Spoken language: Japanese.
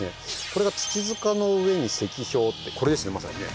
これが「土塚の上に石標」ってこれですね